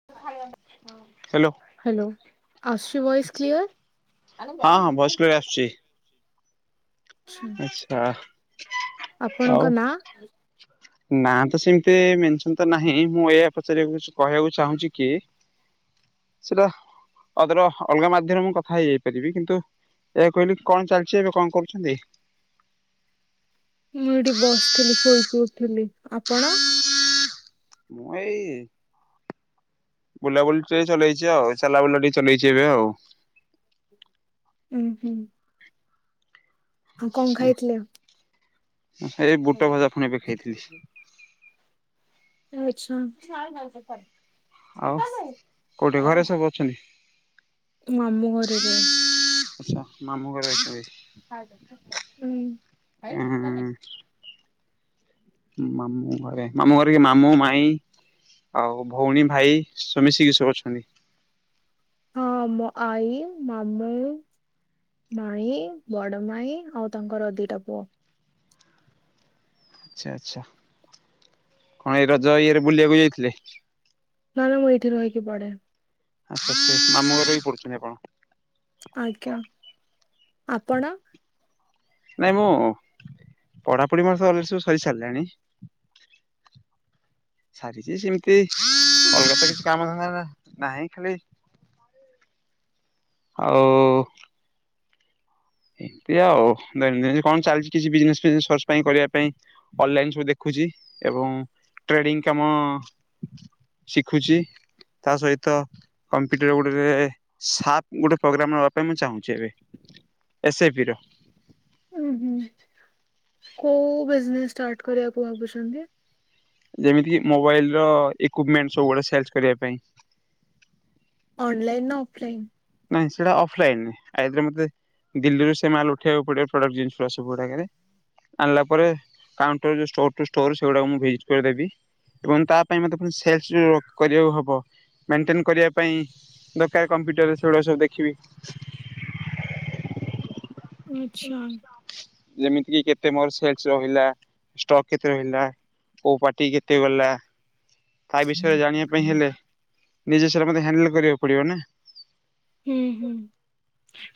[inaudible] Hello hello! ଆସୁଛି voice clear. ହଁ ହଁ! ଭଏସ୍ କ୍ଲିୟର ଆସୁଛି। ଆଚ୍ଛା ଆପଣଙ୍କ ନାଁ? ନାଁ ତ ସେମତି ମେନସନ ତ ନାହିଁ ମୁଁ ଏଇଆ ପଚାରିବାକୁ କହିବାକୁ ଚାହୁଁଛି କି ସେଟା ଅଦର ଅଲଗା ମାଧ୍ୟମରେ ମୁଁ କଥା ହେଇଯାଇପାରିବି କିନ୍ତୁ ଏଇଆ କହିଲି କଣ ଚାଲିଛି ଏବେ କଣ କରୁଛନ୍ତି? ମୁଁ ଏଇଠି ବସିଥିଲି, ଶୋଇ କି ଉଥିଲି ଆପଣ? ମୁଁ ଏଇ ବୁଲାବୁଲି ଟେ ଚଲେଇଛି ଆଉ ଚାଲା ବୁଲା ଟିକେ ଚଲେଇଛି ଏବେ ଆଉ। ହୁଁ ହୁଁ ହଁ! କଣ ଖାଇଥିଲେ ଆଉ। ଏଇ ବୁଟ ଭଜା ଫୁଣି ଏବେ ଖାଇଥିଲି। ଆଛା ଆଉ! କୋଉଠି ଘରେ ସବୁ ଅଛନ୍ତି। ମାମୁଁ ଘରେ ରୁହେ। ଆଚ୍ଛା! ମାମୁଁ ଘରେ ଅଛନ୍ତି। [inaudible] ଉଁ ମାମୁଁ ଘରେ, ମାମୁଁ ଘରେ କିଏ ମାମୁଁ ମାଇଁ ଆଉ ଭଉଣୀ ଭାଇ ତ ମିଶିକି ସବୁ ଅଛନ୍ତି। ହଁ ମୋ ଆଈ ମାମୁଁ ମାଇଁ, ବଡ ମାଇଁ ଆଉ ତାଙ୍କର ଦିଟା ପୁଅ। ଆଚ୍ଛା ଆଚ୍ଛା! କଣ ଏଇ ରଜ ଇଏରେ ବୁଲିବାକୁ ଯାଇଥିଲେ? ନା ନା ମୁଁ ଏଇଠି ରହିକି ପଢେ। ଆଛା ସେ ମାମୁ ଘରେ ରହିକି ପଡୁଛନ୍ତି ଆପଣ। ଆଜ୍ଞା! ଆପଣ ନାଇଁ ମୁଁ ପଢାପଢି [inaudible] ସବୁ ସରି ସାରିଲାଣି ସାରିଛି ସେମିତି ଅଲଗତା ତ କିଛି କାମ ଧନ୍ଦା ନାହିଁ ଖାଲି ଆଉ ଏମିତି ଆଉ ଦୈନନ୍ଦିନ କଣ ଚାଲିଛି କିଛି ବିଜନେସ୍ ଫିଜନେସ୍ ସର୍ଚ୍ଚ ପାଇଁ କରିବା ପାଇଁ ଅନଲାଇନ ସବୁ ଦେଖୁଛି ଏବଂ ଟ୍ରେଡିଙ୍ଗ କାମ ଶିଖୁଛି। ତା ସହିତ କମ୍ପ୍ୟୁଟର ଗୋଟେ ଏବେ ସାର୍ପ ଗୋଟେ ପ୍ରୋଗ୍ରାମ୍ ନେବା ପାଇଁ ମୁଁ ଚାହୁଁଛି ଏବେ। ଏସ୍ ଆଇ ପି ର। ଉଁ ହୁଁ କୋଉ ବିଜନେସ ଷ୍ଟାର୍ଟ କରିବାକୁ ଭାବୁଛନ୍ତି? ଯେମିତି କିି ମୋବାଇଲ ର ଇକ୍ପମେଣ୍ଟ ସବୁ ଗୁଡେ ସେଲ୍ଷ କରିବା ପାଇଁ। ଅନଲାଇନ ନା ଅଫଲାଇନ? ନାଇଁ ସେଇଟା ଅଫଲାଇନ ଆଇଦର ମତେ ଦିଲ୍ଲୀରୁ ସେ ମାଲ ଉଠେଇବାକୁ ପଡିବ ପ୍ରଡକ୍ଟ ଜିନିଷ ସବୁ ଗୁଡାକରେ ଆଣିଲା ପରେ କାଉଣ୍ଟର ଯୋଉ ଷ୍ଟୋର ଟୁ ଷ୍ଟୋର ସେଗୁଡା ମୁଁ ଭିଜିଟ୍ କରି ଦେବି। ଏବଂ ତା ପାଇଁ ମତେ ଫୁଣି ସେଲ୍ଷ କରିବାକୁ ହବ ମେଣ୍ଟେନ କରିବା ପାଇଁ ଦରକାର କମ୍ପ୍ୟୁଟର ରେ ସେଗୁଡାକ ସବୁ ଦେଖିବି। ଆଛା। ଯେମିତି କି କେତେ ମୋର ସେଲ ରହିଲା କେତେ ରହିଲା। କୋଉଁ ପାର୍ଟି କେତେ ଗଲା। ତା ବିଷୟରେ ଜାଣିବା ପାଇଁ ହେଲେ ନିଜରେ ମତେ ହ୍ୟାଣ୍ଡେଲ କରିବାକୁ ପଡିବ ନା। ହୁଁ ହୁଁ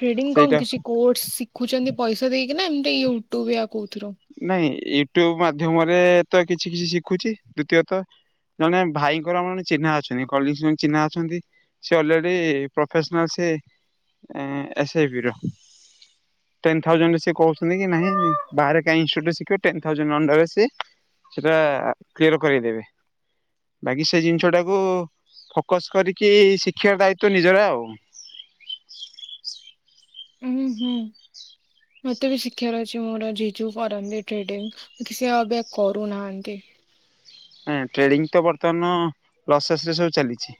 ଟ୍ରେଡିଙ୍ଗ କଣ ସେଇଟା କିଛି କୋର୍ସ ସି ସିଖୁଛନ୍ତି ପଇସା ଦେଇକିନା ଏମିତି ୟୁଟ୍ୟୁବ ୟା କୋଉଥିରୁ? ନାଇଁ ୟୁଟୁବ ମାଧ୍ୟମରେ ତ କିଛି କିଛି ଶିଖୁଛି ଦ୍ଵିତୀୟତ ଜଣେ ଭାଇଙ୍କର ଆମର ଚିହ୍ନା ଅଛନ୍ତି କଲି ଜଣେ ଚିହ୍ନା ଅଛନ୍ତି। ସେ already professional S I B ର। ଟେନ ଥାଉଜଣ୍ଡରେ ସିଏ କହୁଛନ୍ତି କି ନାଇଁ ବାହାରେ କାଇଁ ଇନଷ୍ଟିଚ୍ୟୁଟରେ ଶିଖିବେ ଟେନ ଥାଉଜାଣ୍ଡ ଅଣ୍ଡରରେ ସେ ସେଟା କ୍ଲିଅର କରିଦେବେ। ବାକି ସେ ଜିନିଷଟାକୁ ଫୋକସ କରିକି ଶି୍ଖିବାର ଦାୟିତ୍ଵ ନିଜର ଆଉ ହୁଁ ହୁଁ ମତେ ବି ଶିଖିବାର ଅଛି ମୋର ଜିଜୁଙ୍କର ମନି ଟ୍ରେଡିଙ୍ଗ। ସେ ଅବିକା କରୁନାହାନ୍ତି। ଟ୍ରେଡିଙ୍ଗ ତ ବର୍ତ୍ତମାନ ପ୍ରସେସରେ ଚାଲିଛି।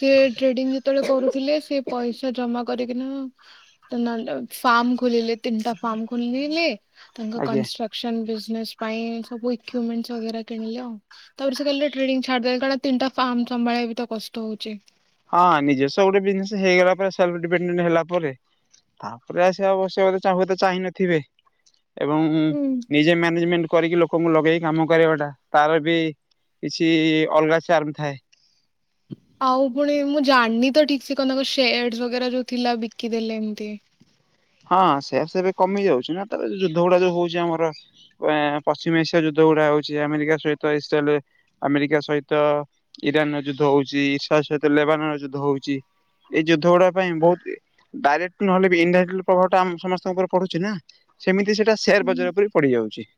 ସେ ଟ୍ରେଡିଙ୍ଗ ଯେତେବେଳେ କରୁଥିଲେ ସେ ପଇସା ଜମା କରିକିନା ନହେଲେ ଫାର୍ମ ଖୋଲିଲେ ତିନିଟା ଫାର୍ମ ଖୋଲିଲେ ତାଙ୍କ ଆଜ୍ଞା। କନଷ୍ଟ୍ରକ୍ ସନ ବିଜନେସ ପାଇଁ ସବୁ ଇକୁମେଣ୍ଟସ ବଗେରା କିଣିଲେ ଆଉ ତାପରେ ସେ କ ଟ୍ରେଡିଙ୍ଗ ଛାଡିଦେ କାରଣ ତିନଟା ଫାର୍ମ ସମ୍ଭଳିବା ବି ତ କଷ୍ଟ ହଉଛି। ହଁ ନିଜସ୍ଵ ଗୋଟେ ବିଜନେସ ହେଇଗଲା ପରେ ସେଲଫଡିପେଣ୍ଡେଣ୍ଟ ହେଲା ପରେ ତାପରେ ଆସିବା ଆବଶ୍ୟକ ହୁ ତ ଚାହିଁ ନଥିବେ ଏବଂ ହୁଁ। ନିଜେ ମ୍ୟାନେଜମେଣ୍ଟ କରିକି ଲୋକଙ୍କୁ ଲଗେଇକି କାମ କରିବାଟା ତାର ବି କିଛି ଅଲଗା ଚାର୍ମ ଥାଏ। ଆଉ ପୁଣି ମୁଁ ଜାଣିନି ତ ଠିକ ସେ କଣ ସେୟାରଡ ବଗେରା ଯୋଉ ଥିଲା ବିକି ଦେଲେ ଏମତି ହଁ ସେ ସେୟା ସେୟାର କମି ଯାଉଛି ନା ତ ଆଉ ଯୁଦ୍ଧ ଗୁଡା ଯୋଉ ହଉଛି ଆମର। ପଶ୍ଚିମ ଏସିଆ ଯୁଦ୍ଧ ଗୁଡା ହଉଛି ଆମେରିକା ସହିତ ଇସ୍ରାଏଲ। ଆମେରିକା ସହିତ ଇରାନର ଯୁଦ୍ଧ ହଉଛି ଇସ୍ରାଏଲ ସହିତ ଲେବାନର ଯୁଦ୍ଧ ହଉଛି। ଏଇ ଯୁଦ୍ଧ ଗୁଡା ପାଇଁ ବହୁତ ଡାଇରେକ୍ଟ ନହେଲେ ବି ଇନ୍ଡାଇରେକ୍ଟ ଲୋ ପ୍ରଭାବଟା ଆମ ସମସ୍ତଙ୍କ ଉପରେ ପଡୁଛି ନା ସେମିତି ସେଇଟା ସେୟାର ବଜାର ହୁଁ ଉପରେ ପଡିଯାଉଛି।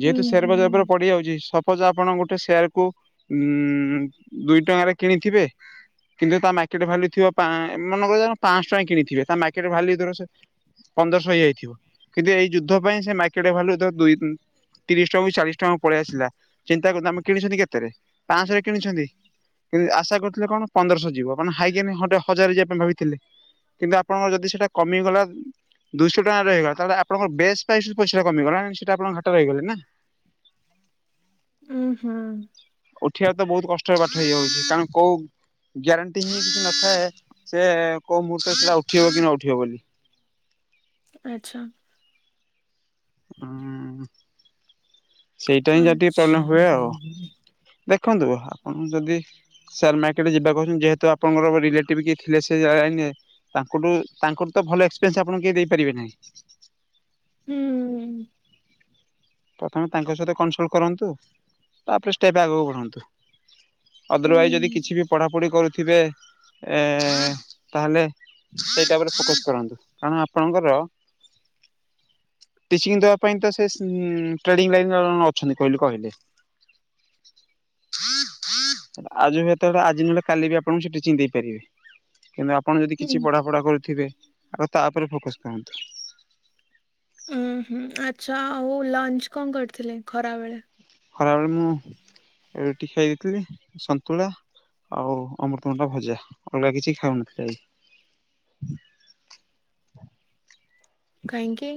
ଯେହେତୁ ସେେୟାର ହୁଁ ବଜାର ଉପରେ ପଡିଯାଉଛି ସପୋଜ ଆପଣ ଗୋଟେ ସେୟାରକୁ ଦୁଇ ଟଙ୍କାରେ କିଣିଥିବେ କିନ୍ତୁ ତା ମାର୍କେଟ ଭାଲୁ ଥିବ ପାଁ ମନେକର ପାଂସ ଟଙ୍କା କିଣିଥିବେ ତା ମାର୍କେଟ ଭାଲ୍ୟୁ ଧର ପନ୍ଦରଶହ ହେଇଯାଇଥିବ କିନ୍ତୁ ଏଇ ଯୁଦ୍ଧ ପାଇଁ ସେ ମାର୍କେଟ ଭାଲୁ ଦୁଇ ଦୁଇ ତିରିଶ ଟଙ୍କାକୁ ଚାଳିଶ ଟଙ୍କା ପଳେଇ ଆସିଲା ଚିନ୍ତା କରନ୍ତୃ ଆମେ କିଣିଛନ୍ତି କେତେରେ ପାଞ୍ଚଶରେ କିଣିଛନ୍ତି। କିନ୍ତୁ ଆଶା କରିଥିଲେ କଣ ପନ୍ଦରଶହ ଯିବ ଆପଣ ହାଇଜେନ ହଜାର ଯିବା ପାଇଁ ଭାବିଥିଲେ କିନ୍ତୁ ଆ ଆପଣଙ୍କର ଯଦି ସେଇଟା କମିଗଲା। ଦୁଇଶହ ଟଙ୍କା ରହିଗଲା ତାହେଲେ ଆପଣଙ୍କ ବେଶ ପ୍ରାଇସ ପଇସାରୁ କମିଗଲାନା ସେଟା ଆପଣ ଘାଟା ରହିଗଲେ ନା। ଉଁ ହୁଁ। ଉଠିବା ତ ବହୁତ କଷ୍ଟରେ ପାଠ ହେଇଯାଉଛି କାରଣ କୋଉ ଗ୍ୟାରେଣ୍ଟି ହିଁ କିଛି ନଥାଏ ସେ କୋଉ ମୁହୂର୍ତ୍ତରେ ସେଟା ଉଠିବ କି ନ ଉଠିବ ବୋଲି। ଆଚ୍ଛା। ହୁଁ ସେଇଟା ହିଁ ଯ ଟିକେ ଆଚ୍ଛା ପ୍ରୋବ୍ଲେମ୍ ହୁଏ ଆଉ ଦେଖନ୍ତୁ ଆପଣ ଯଦି ସେୟାର ମାର୍କେଟରେ ଯିବାକୁ କହୁଛନ୍ତି ଯେହେତୁ ଆପଣଙ୍କର ରିଲେଟିଭ କିଏ ଥିଲେ ସେ ଲାଇନରେ। ତାଙ୍କଠୁ ତାଙ୍କର ତ ଭଲ ଏକ୍ସପିରିଏନ୍ସ ଆପଣ କେ ଦେଇପାରିବେ ନାହିଁ। ହୁଁ। ପ୍ରଥମେ ତାଙ୍କ ସହିତ କନସଲ୍ଟ କରନ୍ତୁ ତାପରେ ଷ୍ଟେପ ଆଗକୁ ବଢ଼ାନ୍ତୁ। ହୁଁ ଅଦରୱାଇଜ ଯଦି କିଛି ବି ପଢାପଢି କରୁଥିବେ ଏ ତାହାଲେ ସେଇଟା ଉପରେ ଫୋକସ କରନ୍ତୁ କାରଣ ଆପଣଙ୍କର ଟିଚିଂ ଦେବା ପାଇଁ ତ ସେ ଟ୍ରେଡିଂ ଲାଇନରେ ଜଣେ ଅଛନ୍ତି କହିଲ କହିଲେ। ଆଉ ଯେବେ ଯେତେବେଳେ ଆଜି ନହେଲେ କାଲି ବି ଆପଣଙ୍କୁ ସେ ଟିଚିଂ ଦେଇ ପାରିବେ। କିନ୍ତୁ ଆପଣ ଯଦି ହୁଁ କିଛି ପଢାପଢା କରୁଥିବେ ଆଗ ତା ଉପରେ ଫୋକସ କରନ୍ତୁ। ଉଁ ହୁଁ ଆଚ୍ଛା ଆଉ ଲଞ୍ଚ କଣ କରିଥିଲେ ଖରା ବେଳେ? ଖରାବେଳେ ମୁଁ ରୁଟି ଖାଇଦେଇଥିଲି ସନ୍ତୁଳା ଆଉ ଅମୃତ ଭଣ୍ଡା ଭଜା ଅଲଗା କିଛି ଖାଉନଥିଲି। କାଇଁକି?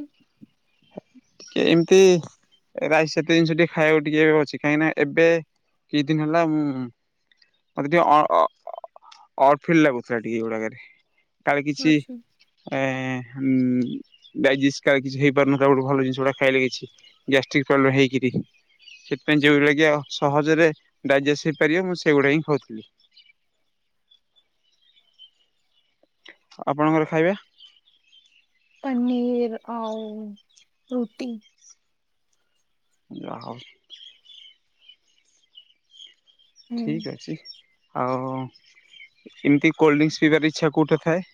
ଟିକେ ଏମିତି ରାଇସ୍ ସେତେ ଜିନିଷ ଟିକେ ଖାଇବାକୁ ଟିକେ ଏ ଅଛି। କାହିଁକି ନା ଏବେ କି ଦିନ ହେଲା ମୁଁ ଅରଦିଅ ଅ ଅ ଅ ଅଡ଼ ଫିଲ ଲାଗୁଥିଲା ଟିକେ ଏଗୁଡାକରେ। ତାର କିଛି ଆଚ୍ଛା ଏ ହେଁ ଡାଇଜିଷ୍ଟକା କିଛି ହେଇ [unintelligible] ଭଲ ଜିନିଷ ଗୁଡାକ ଖାଇଲେ କିଛି ଗ୍ୟାଷ୍ଟ୍ରିକ୍ ପ୍ରୋବ୍ଲେମ ହେଇକିରି। ସେଥିପାଇଁ ଯେଉଁଗୁଡ଼ା କି ଆଉ ସହଜରେ ଡାଇଜେଷ୍ଟ ହେଇପାରିବ, ମୁଁ ସେଗୁଡ଼ା ହିଁ ଖାଉଥିଲି। ଆପଣଙ୍କର ଖାଇବା? ପନୀର୍ ଆଉ ରୁଟି। ଯାହଉ। ହୁଁ। ଠିକ୍ ଅଛି, ଆଉ ଏମିତି କୋଲ୍ଡଡିଙ୍କ୍ସ୍ ପିଇବାର ଇଚ୍ଛା କେଉଁଠି ଥାଏ?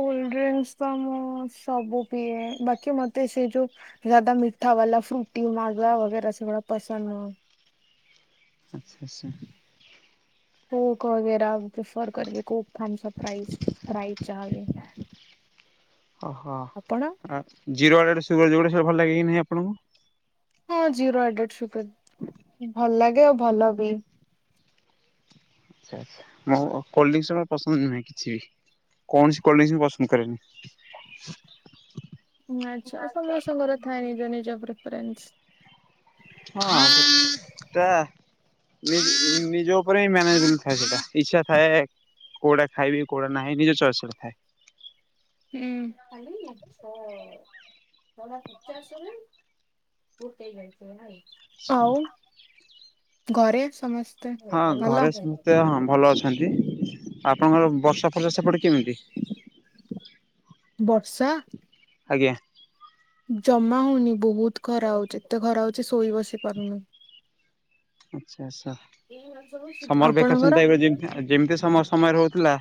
ଆଉ ଅଣ୍ଡିଆନ୍ସ ତ ମୁଁ ସବୁ ପିଏ ବାକି ମତେ ସେ ଯୋଉ। ଯାଦା ମିଠାବାଲା ଫ୍ରୁଟି ମାଜା ବଗେରା ସେଗୁଡା ପସନ୍ଦ ନୁହଁ। ଆଚ୍ଛା ଆଚ୍ଛା। କକେରା ପ୍ରିଫର କରିବେ କୋକ ଥସପ୍ରାଇଜ ପ୍ରାଇଜ ଚାହାବେ ଓହୋ ଜିର ଡେ ଗୋଟେ ସୁଗର ଯୋଉଗୋଟା ସେଇଟା ଭଲ ଲାଗେ କିି ନାହିଁ ଆପଣଙ୍କୁ? ହଁ ଜି ରୋ ଆଡେଡ଼ ସୁଗାର ଭଲ ଲାଗେ ଆଉ ଭଲ ବି ଆଛା ଆଚ୍ଛା ଆ ଓ କୋଲ୍ଡିଙ୍କ ପସନ୍ଦ ନୁହେଁ କିଛି ବି? କୌଣସି କୋଲଡ୍ରିଙ୍କସ ମୁଁ ପସନ୍ଦ କରେନି। ହୁ ଆଚ୍ଛା ସମସ୍ତଙ୍କର ଥାଏ ନିଜ ନିଜ ପ୍ରିଫରେନ୍ସ ହଁ ସେଟା ନି ନି ନିଜ ଉପରେ ମ୍ୟାନେଜବୁଲ ଥାଏ ସେଟା ଇଚ୍ଛା ଥାଏ କଉଡା ଖାଇବି କଉଡା ନାହିଁ ନିଜ ଚଏସ ରେ ଖାଏ। ହୁଁ ଅଲି ତ କଢା ପଚାସ ସେମି଼ କୁତ ହେ ଯାଇଥିବ ନାଇଁ ଆଉ ଘରେ ସମସ୍ତ? ହଁ ଘରେ ସମସ୍ତେ ହଁ ଭଲ ଅଛନ୍ତି ଆପଣଙ୍କର ବର୍ଷା ଫର୍ଷା ସେପଟେ କେମିତି? ବର୍ଷା ଆଜ୍ଞା ଜମା ହଉନି ବହୁତ ଖରା ହଉଛି ଏତେ ଖରା ହଉଛି ଶୋଇ ବସି ପାରୁନି। ଆଚ୍ଛା ଆଚଛା ସମର ଭେକେସନ ଆପଣଙ୍କର ତବେ ଜେମୀ ଯେମିତି ସମ ସମୟରେ ହଉଥିଲା।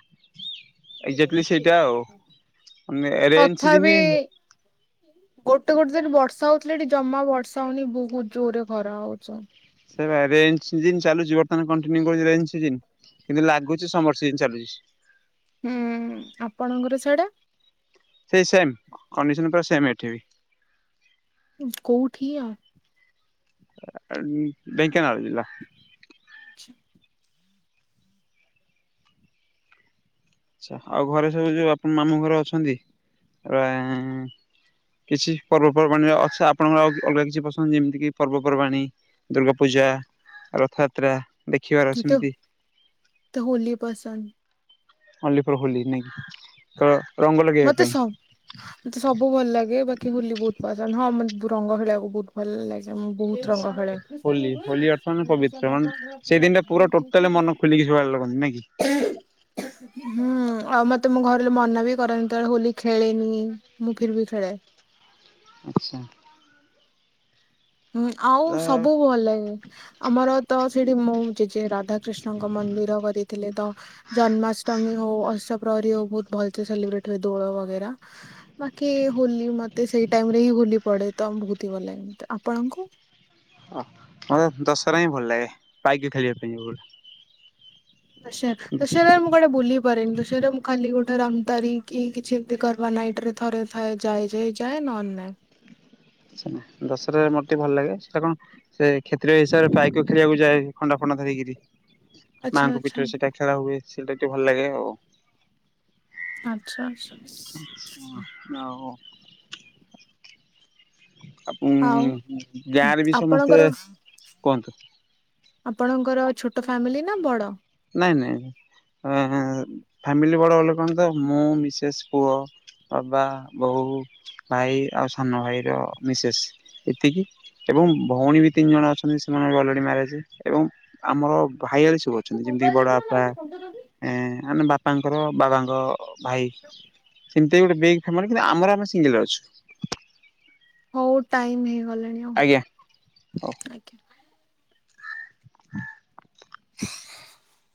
ଏଜାକ୍ଟଲି ସେଇଟା ଆଉେ ରେ ରେନ ତଥାପି ସିଜିନି ଗୋଟେ ଗୋଟେ ଦିନ ବର୍ଷା ହଉଥିଲେ ଏଠି ଜମା ବର୍ଷା ହଉନି ବହୁତ ଜୋରରେ ଖରା ହଉଛି। ସେ ରେ ରେ୍ନ ସିଜିନି ଚାଲୁଛି ବର୍ତ୍ତମାନ କଣ୍ଟିନ୍ୟୁୁ କରୁଛି ରେନ ସିଜିନ କିନ୍ତୁ ଲାଗୁଛି ସମର ସିଜିନ ଚାଲୁଛି। ହୁଁ ଆପଣଙ୍କର ସେଉଡା? ସେଇ ସେମ୍ କଣ୍ଡିସନ ପୁରା ସେମ୍ ଏଠି ବି କଉଠି ଆଉ? ଢ଼େଙ୍କାନାଳ ଜିଲ୍ଲା ଆଛା ଆଛା ଆଉ ଘରେ ସବୁ ଯୋଉ ଆପଣ ମାମୁଁ ଘରେ ଅଛନ୍ତି ଆ ଉ କିଛି ପର୍ବପର୍ବାଣିର ଅଛି ଆପଣଙ୍କର ଆଉ ଅଲଗା କିଛି ପସନ୍ଦ ଯେମିତିକି ପର୍ବପର୍ବାଣି? ଦୁର୍ଗା ପୂଜା ରଥଯାତ୍ରା ଦେଖିବାର ସେମିତି ମତେ ହୋଲି ପସନ୍ଦ ହଲିପୁର ହୋଲି ନାଇ ତ ରଙ୍ଗ ଲ ମତେ ସ ମତେ ସବୁ ଭଲ ଲାଗେ ବାକି ବୁଲି ବହୁତ ପସନ୍ଦ ହଁ ମେ ରଙ୍ଗହଳିବାକୁ ବହୁତ ଭଲ ଲାଗି ମୁଁ ବହୁତ ରଙ୍ଗ ହଳେ। ହୋଲି ହୋଲି ଅର୍ଥ ମାନେ ପବିତ୍ର ମାନେ ସେଇ ଦିନଟା ପୁରା ଟୋଟାଲି ମନ ଖୋଲିକି ଶୁଆଡ ଲଗନ୍ତି ନାଇ କି ହୁଁ ଆଉ ମତେ ମୋ ଘର ଲୋ ମନା ବି କରନ୍ ତଳେ ହୋଲି ଖେଳେନି ମୁଁ ଫିରବି ଖେଳେ। ଆଚ୍ଛା। ହୁଁ ଆଉ ତ ସବୁ ଭଲ ଲାଗିବ। ଆମର ତ ସେଠି ମୋ ଜେଜେ ରାଧାକ୍ରିଷ୍ଣଙ୍କ ମନ୍ଦିର କରିଥିଲେ ତ ଜନ୍ମାଷ୍ଟମୀ ହୋଉ ଅଷପ୍ରହରି ହୋଉ ବୋହୁତ ଭଲ ସେ ସେଲିବ୍ରେଟ ହୋଏ ଦୋଳୋ ବଗେରା। ବାକି ହୋଲି ମତେ ସେଇ ଟାଇମ୍ ରେ ହିଁ ହୋଲି ପଢେ ତ ଆମ ବୋହୁତ ହିଁ ଭଲ ଲାଗେ ମତେ ଆପଣଙ୍କୁ। ଅଃ ମତେ ଦଶହରା ହିଁ ଭଲ ଲାଗେ ପାଇକେ ଖେଳିବା ପାଇଁ [unintelligible] [unintelligible] ଆଚ୍ଛା ଦଶହରାରେ ମୁଁ କୁଆଡେ ବୁଲି କରେନି [unintelligible] ମୁଁ ଖାଲି ଗୋଟେ ରାମତାରି କି କିଛି ଏମିତି କରବା ନାଇଟ୍ ରେ ଥରେ ଥାଏ। ଯାଏ ଯାଏ ଯାଏ ନହେଲେ ନାଇଁ। [unintelligible] ଦଶହାରରେ ମତେ ଭଲ ଲାଗେ ସେଟା କଣ ସେ କ୍ଷେତ୍ରୟ ହିସାବରେ ପାଇକ ଖେଳିବାକୁ ଯାଏ ଖଣ୍ଡା ଫଣ୍ଡା ଧରିକିରି। ଆଚ୍ଛା ମାଆଙ୍କ ଆଚ୍ଛା। ପୀଠରେ ସେଟା ଖେଳା ହୁଏ ସେଇଟା ଟିକେ ଭଲ ଲାଗେ ଆଉ। ଆଚ୍ଛା ଆଚ୍ଛା। [unintelligible] ଆପ ଉଁ ଆଉ ଗାଁରେ ବି ସମସ୍ତେ ଆପଣଙ୍କର କୁହନ୍ତୁ। ଆପଣଙ୍କର ଛୋଟୋ ଫ୍ୟାମିଲି ନା ବଡ। ନାଇଁ ନାଇଁ ଏଁ ଫ୍ୟାମିଲି ବଡ଼ [unintelligible] କଣ ତ ମୁଁ ମିସେସ୍ ପୁଅ। ବାବା ବୋଉ ଭାଇ ଆଉ ସାନ ଭାଇର ମିସେସ୍ ଏତିକି। ଏବଂ ଭୋଉଣୀ ବି ତିନି ଜଣ ଅଛନ୍ତି ସେମାନଙ୍କୁ ଅଲରେଡି ମ୍ୟାରେଜ ଏବଂ ଆମର ଭାଇଆଳି [unintelligible] ଛନ୍ତି ଯେମିତିକି ବଡଆପା ଏ ଆମେ ବାପାଙ୍କର ବାବାଙ୍କ ଭାଇ ସେମ୍ ଟା ବି ଗୋଟେ ବିଗ୍ [unintelligible] ଆମର ଆମେ ସୀଙ୍ଗିଲ ଅଛୁ। ହୋଉ ଟାଇମ ହେଇଗଲାଣି ଆଉ ଆଜ୍ଞା ହଉ ଆଜ୍ଞା। [unintelligible] [inaudible]